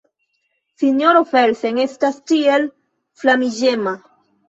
Sinjoro Felsen estas tiel flamiĝema.